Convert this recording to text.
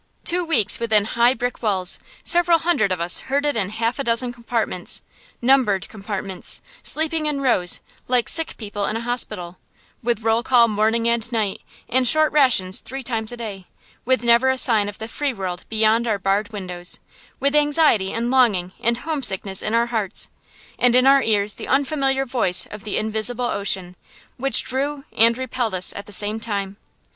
Two weeks within high brick walls, several hundred of us herded in half a dozen compartments, numbered compartments, sleeping in rows, like sick people in a hospital; with roll call morning and night, and short rations three times a day; with never a sign of the free world beyond our barred windows; with anxiety and longing and homesickness in our hearts, and in our ears the unfamiliar voice of the invisible ocean, which drew and repelled us at the same time.